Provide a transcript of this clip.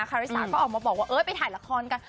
คาริสาก็ออกมาบอกว่าไปถ่ายละครกัน